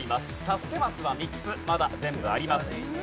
助けマスは３つまだ全部あります。